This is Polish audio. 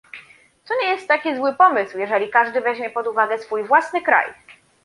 To nie jest taki zły pomysł, jeżeli każdy weźmie pod uwagę swój własny kraj